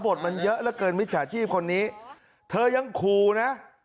ทดมันเยอะเหลือเกินมิจฉาชีพคนนี้เธอยังขู่นะ